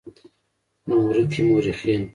نومورکي مؤرخين